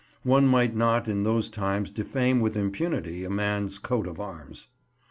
One might not in those times defame with impunity a man's coat of arms.